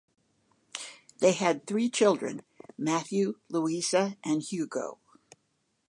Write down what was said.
They had three children, Matthew, Louisa, and Hugo.